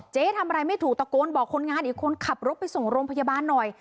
ทำอะไรไม่ถูกตะโกนบอกคนงานอีกคนขับรถไปส่งโรงพยาบาลหน่อย